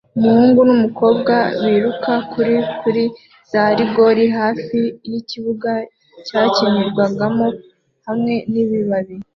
Umuhungu numukobwa biruka kuri kuri za rigore hafi yikibuga cyakinirwamo hamwe nibibabi